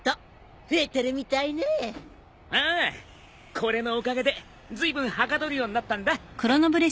これのおかげでずいぶんはかどるようになったんだ。